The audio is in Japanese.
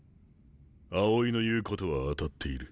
青井の言うことは当たっている。